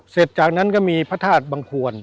เสร็จจากนั้นก็มีพระธาตุบังควร